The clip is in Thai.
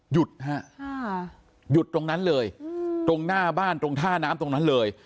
หยุดฮะหยุดตรงนั้นเลยตรงหน้าบ้านตรงท่าน้ำตรงนั้นเลย